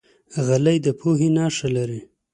غلی، د پوهې نښه لري.